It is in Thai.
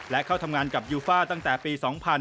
และเข้าทำงานกับยูฟ่าตั้งแต่ปี๒๕๕๙